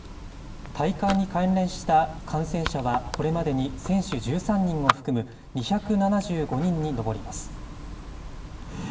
大会に関連した感染者はこれまでに選手１３人を含む、２７５人に上ります。